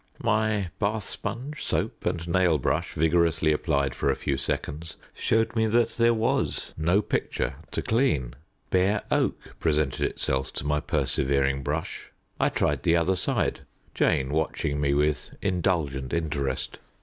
My bath sponge, soap, and nailbrush vigorously applied for a few seconds showed me that there was no picture to clean! Bare oak presented itself to my persevering brush. I tried the other side, Jane watching me with indulgent interest.